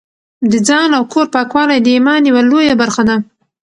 د ځان او کور پاکوالی د ایمان یوه لویه برخه ده.